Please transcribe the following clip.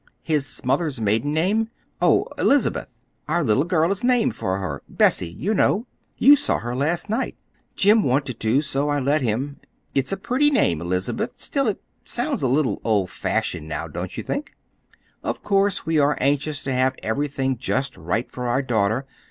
"His mother's maiden name? Oh, 'Elizabeth.' Our little girl is named for her—Bessie, you know—you saw her last night. Jim wanted to, so I let him. It's a pretty name—Elizabeth—still, it sounds a little old fashioned now, don't you think? Of course we are anxious to have everything just right for our daughter.